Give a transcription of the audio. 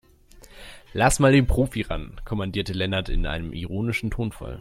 Lass mal den Profi ran, kommandierte Lennart in einem ironischen Tonfall.